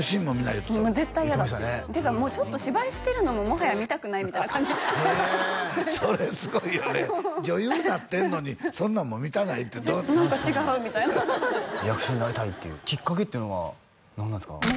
もう絶対ヤダっててか芝居してるのももはや見たくないみたいな感じへえそれすごいよね女優なってんのにそんなんも見たないって何か違うみたいな役者になりたいっていうきっかけは何なんですか？